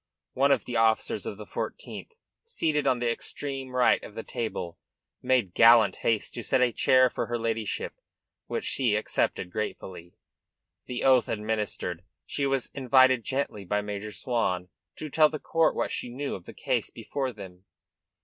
One of the officers of the Fourteenth seated on the extreme right of the table made gallant haste to set a chair for her ladyship, which she accepted gratefully. The oath administered, she was invited gently by Major Swan to tell the court what she knew of the case before them.